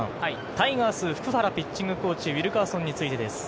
タイガース・福原ピッチングコーチ、ウィルカーソンについてです。